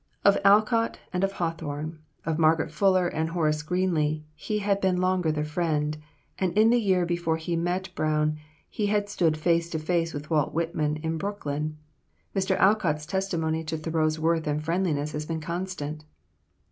Of Alcott and of Hawthorne, of Margaret Fuller and Horace Greeley, he had been longer the friend; and in the year before he met Brown he had stood face to face with Walt Whitman in Brooklyn. Mr. Alcott's testimony to Thoreau's worth and friendliness has been constant.